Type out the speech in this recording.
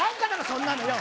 そんなのよ！